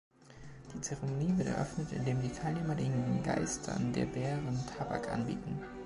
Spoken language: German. Die Zeremonie wird eröffnet, indem die Teilnehmer den Geistern der Bären Tabak anbieten.